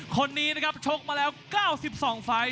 คนนี้นะครับชกมาแล้ว๙๒ไฟล์